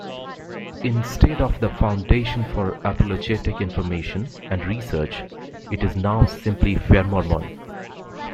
Instead of The Foundation for Apologetic Information and Research, it is now simply FairMormon.